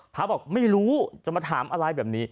พระบอกไม่รู้จะมาถามอะไรแบบนี้